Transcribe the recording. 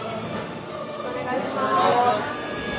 よろしくお願いします。